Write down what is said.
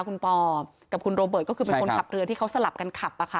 คุณปอกับคุณโรเบิร์ตก็คือเป็นคนขับเรือที่เขาสลับกันขับ